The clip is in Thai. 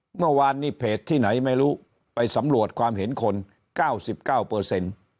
เมื่อวานนี้เพจที่ไหนไม่รู้ไปสำรวจความเห็นคนเก้าสิบเก้าเปอร์เซ็นต์